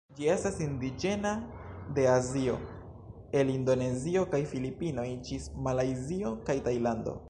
Ĝi estas indiĝena de Azio, el Indonezio kaj Filipinoj ĝis Malajzio kaj Tajlando.